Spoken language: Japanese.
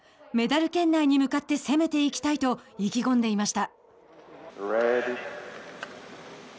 メダル圏内に向かって攻めていきたいと意気込んでいました。